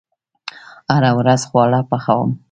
هره ورځ خواړه پخوم